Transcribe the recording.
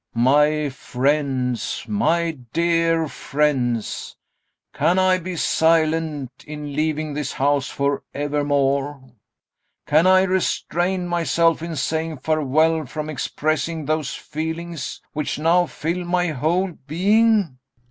GAEV. My friends, my dear friends! Can I be silent, in leaving this house for evermore? can I restrain myself, in saying farewell, from expressing those feelings which now fill my whole being...?